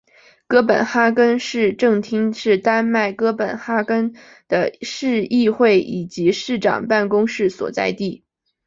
哥本哈根市政厅是丹麦哥本哈根的市议会以及市长办公室所在地。